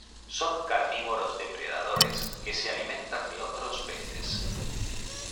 Son carnívoros depredadores que se alimentan de otros peces.